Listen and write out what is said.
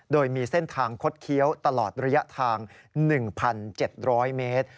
โดยมีเส้นทางคดเคี้ยวตลอดระยะทาง๑๗๐๐เมตร